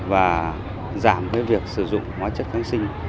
và giảm cái việc sử dụng hóa chất kháng sinh